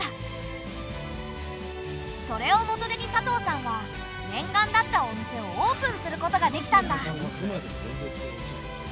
それを元手に佐藤さんは念願だったお店をオープンすることができたんだ！